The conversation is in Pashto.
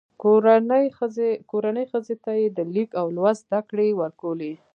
کورنۍ ښځو ته یې د لیک او لوست زده کړې ورکولې.